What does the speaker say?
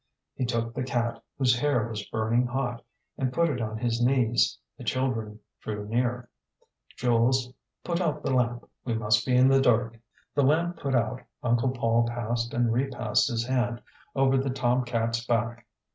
ŌĆØ He took the cat, whose hair was burning hot, and put it on his knees. The children drew near. ŌĆ£Jules, put out the lamp; we must be in the dark. ŌĆØ The lamp put out, Uncle Paul passed and repassed his hand over the tom catŌĆÖs back.